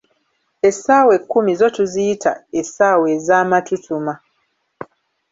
Essaawa ekkumi zo tuziyita, "ssaawa ezamatutuma"